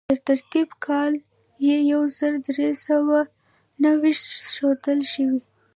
د ترتیب کال یې یو زر درې سوه نهه ویشت ښودل شوی.